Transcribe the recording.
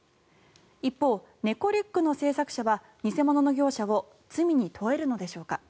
一方、猫リュックの制作者は偽物の業者を罪に問えるのでしょうか。